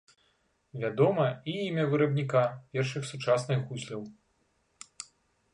Вядома і імя вырабніка першых сучасных гусляў.